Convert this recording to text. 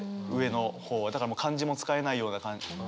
だからもう漢字も使えないような感じで。